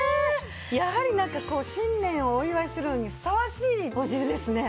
やはりなんかこう新年をお祝いするのにふさわしいお重ですね